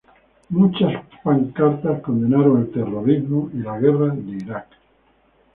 Muchas pancartas condenaron el terrorismo y la guerra de Irak.